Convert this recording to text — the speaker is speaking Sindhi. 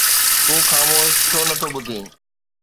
تون خاموش ڇو نه ٿو ٻڌين؟